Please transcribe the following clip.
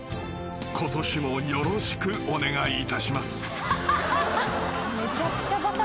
ことしもよろしくお願いいたします］